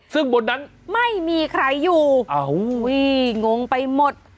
ซึ่งบนนั้นไม่มีใครอยู่อ้าวงงไปหมด